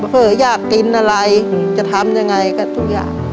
เผลออยากกินอะไรจะทำยังไงกับทุกอย่าง